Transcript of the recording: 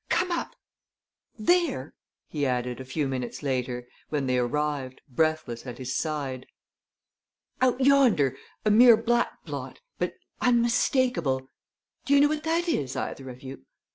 Come up! There!" he added, a few minutes later, when they arrived, breathless, at his side. "Out yonder a mere black blot but unmistakable! Do you know what that is, either of you?